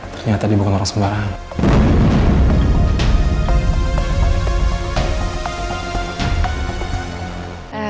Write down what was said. ternyata dia bukan orang sembarangan